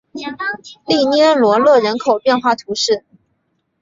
利涅罗勒人口变化图示